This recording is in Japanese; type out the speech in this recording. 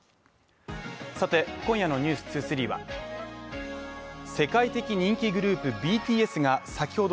今夜の「ＮＥＷＳ２３」は、世界的人気グループ、ＢＴＳが先ほど、